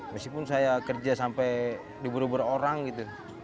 meskipun saya kerja sampai di buru buru orang gitu